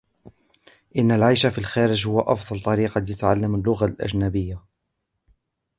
إن العيش في الخارج هو أفضل طريقة لتعلم لغة أجنبية.